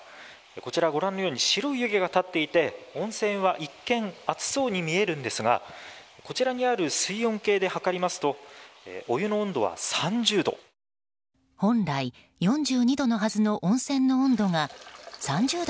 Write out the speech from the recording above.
こちら、ご覧のように白い湯気が立っていて温泉は一見熱そうに見えるんですがこちらにある水温計で測りますとお湯の温度は３０度。